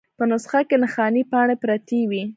په نسخه کې نښانۍ پاڼې پرتې وې.